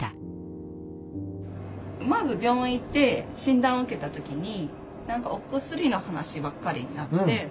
まず病院行って診断を受けた時にお薬の話ばっかりになって。